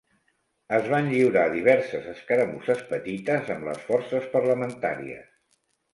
Es van lliurar diverses escaramusses petites amb les forces parlamentàries.